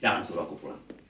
jangan suruh aku pulang